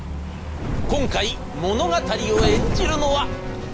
今回物語を演じるのはこちら！